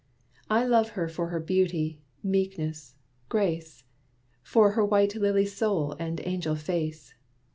I love her for her beauty, meekness, grace; For her white lily soul and angel face.